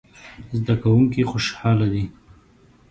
زده کوونکي خوشحاله دي